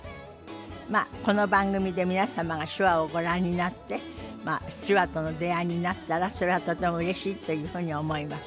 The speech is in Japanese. まあこの番組で皆様が手話をご覧になって手話との出会いになったらそれはとてもうれしいというふうに思います。